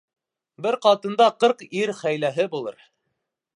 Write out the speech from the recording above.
Бер ҡатында ҡырҡ ир хәйләһе булыр.